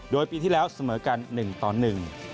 โดยปีที่แล้วเสมอกัน๑ตอน๑